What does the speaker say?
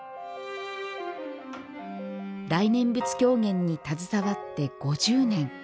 大念仏狂言に携わって５０年。